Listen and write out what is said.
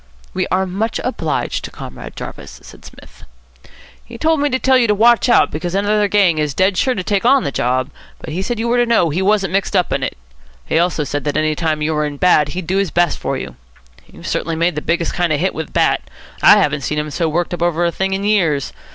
"We are much obliged to Comrade Jarvis," said Psmith. "He told me to tell you to watch out, because another gang is dead sure to take on the job. But he said you were to know he wasn't mixed up in it. He also said that any time you were in bad, he'd do his best for you. You've certainly made the biggest kind of hit with Bat. I haven't seen him so worked up over a thing in years.